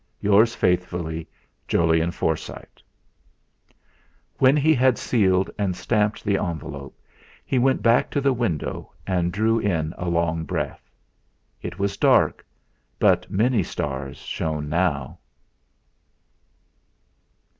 'Yours faithfully, 'JOLYON FORSYTE.' When he had sealed and stamped the envelope, he went back to the window and drew in a long breath. It was dark, but many stars shone now.